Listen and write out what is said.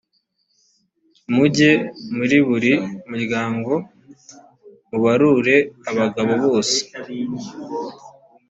mujye muri buri muryango, mubarure abagabo bose.